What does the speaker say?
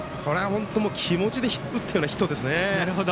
気持ちで打ったようなヒットですね。